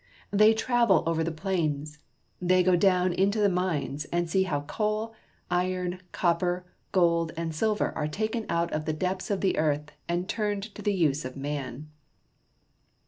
They travel over the plains. They go down into the mines and see how coal, iron, copper, gold, and silver are taken out of the depths of the earth and turned to the use of man.